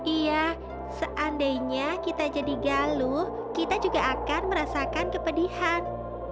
iya seandainya kita jadi galuh kita juga akan merasakan kepedihan